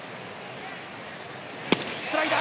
スライダー